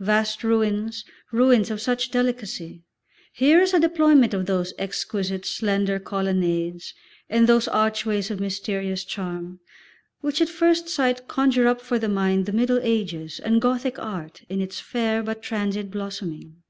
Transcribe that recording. Vast ruins, ruins of such delicacy! Here is a deployment of those exquisite, slender colonnades and those archways of mysterious charm, which at first sight conjure up for the mind the Middle Ages and Gothic Art in its fair but transient blossoming.